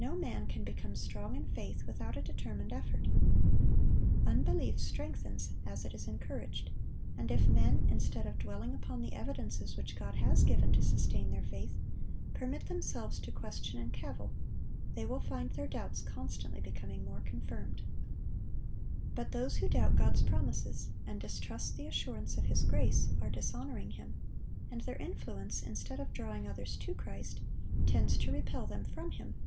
No man can become strong in faith without a determined effort. Unbelief strengthens as it is encouraged; and if men, instead of dwelling upon the evidences which God has given to sustain their faith, permit themselves to question and cavil, they will find their doubts constantly becoming more confirmed. But those who doubt God's promises, and distrust the assurance of His grace, are dishonoring Him; and their influence, instead of drawing others to Christ, tends to repel them from Him.